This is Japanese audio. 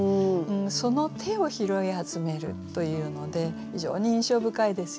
その手を「拾い集める」というので非常に印象深いですよね。